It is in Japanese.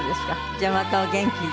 じゃあまたお元気で。